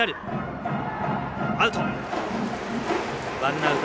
アウト。